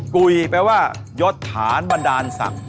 กุยแปลว่ายศฐานบันดาลศักดิ